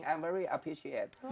saya sangat menghargai mereka